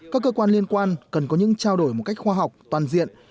các cơ quan liên quan cần có những trao đổi một cách khoa học toàn diện